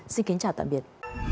xin kính chào tạm biệt